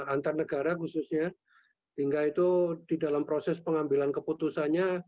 antar negara khususnya hingga itu di dalam proses pengambilan keputusannya